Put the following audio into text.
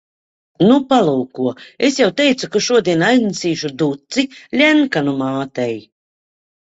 Nu, palūko. Es jau teicu, ka šodien aiznesīšu duci Ļenkanu mātei.